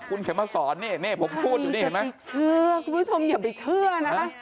คุณเข้ามาสอนเนี้ยเนี้ยผมพูดอยู่นี่เห็นไหมคุณผู้ชมอย่าไปเชื่อนะ